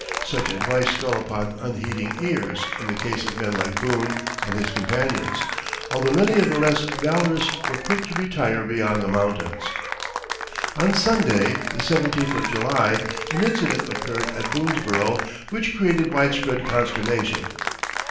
Such advice fell upon unheeding ears in the case of men like Boone and his companions, although many of the less valorous were quick to retire beyond the mountains. On Sunday, the seventeenth of July, an incident occurred at Boonesborough which created wide spread consternation.